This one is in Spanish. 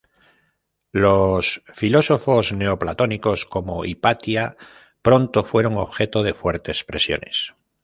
Los filósofos neoplatónicos como Hipatia pronto fueron objeto de fuertes presiones.